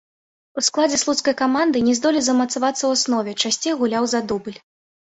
У складзе слуцкай каманды не здолеў замацавацца ў аснове, часцей гуляў за дубль.